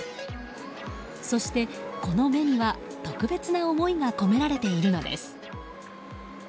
そしてこの目には特別な思いが込められているのです。